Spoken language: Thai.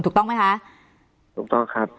ถูกต้องไม่คะ